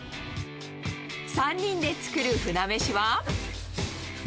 ３人で作る船飯は。